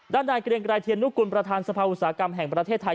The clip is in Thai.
นายเกรียงไกรเทียนนุกุลประธานสภาอุตสาหกรรมแห่งประเทศไทย